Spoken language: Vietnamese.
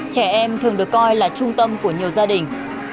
trẻ em thường được coi là trung tâm của nhiều gia đình